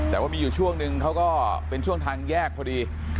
แต่ว่ามีอยู่ช่วงนึงเขาก็เป็นช่วงทางแยกพอดี